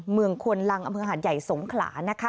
เมืองควนลังอเมืองหาดใหญ่สงขลานะคะ